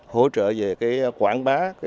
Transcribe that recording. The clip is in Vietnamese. hỗ trợ về quảng bá